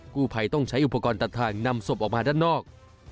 กู้ภัยต้องใช้อุปกรณ์ตัดทางนำศพออกมาด้านนอก